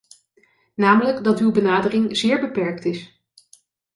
Namelijk dat uw benadering zeer beperkt is.